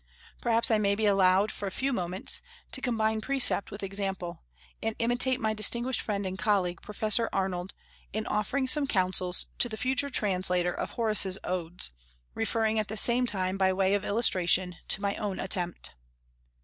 Perhaps I may be allowed, for a few moments, to combine precept with example, and imitate my distinguished friend and colleague, Professor Arnold, in offering some counsels to the future translator of Horace's Odes, referring, at the same time, by way of illustration, to my own attempt.